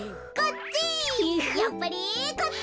やっぱりこっち！